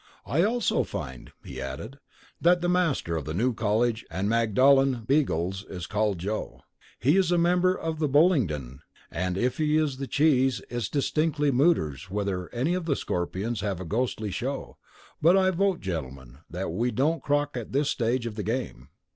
"I also find," he added, "that the master of the New College and Magdalen beagles is called Joe. He is a member of the Bullingdon, and if he is the cheese it's distinctly mooters whether any of the Scorpers have a ghostly show; but I vote, gentlemen, that we don't crock at this stage of the game."